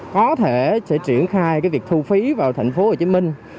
có thể sẽ triển khai việc thu phí vào thành phố hồ chí minh